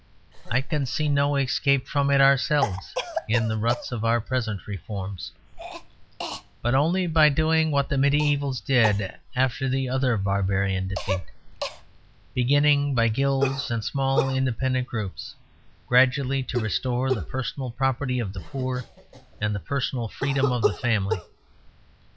I can see no escape from it for ourselves in the ruts of our present reforms, but only by doing what the mediævals did after the other barbarian defeat: beginning, by guilds and small independent groups, gradually to restore the personal property of the poor and the personal freedom of the family.